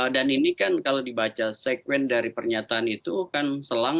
dan ini kan kalau dibaca segmen dari pernyataan itu kan selang